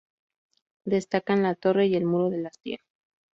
Destacan la torre y el muro del hastial.